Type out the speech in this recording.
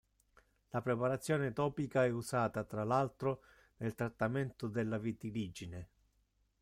La preparazione topica è usata, tra l'altro, nel trattamento della vitiligine.